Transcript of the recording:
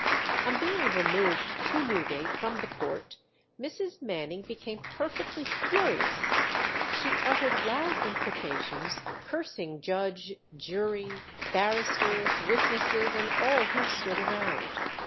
On being removed to Newgate from the court Mrs. Manning became perfectly furious. She uttered loud imprecations, cursing judge, jury, barristers, witnesses, and all who stood around.